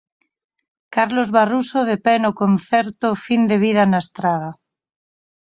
Carlos Barruso, de pé, no concerto 'Fin de Vida' na Estrada.